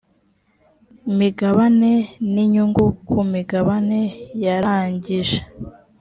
migabane n inyungu ku migabane yarangije